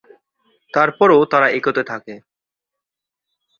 তার পরও তারা এগোতে থাকে।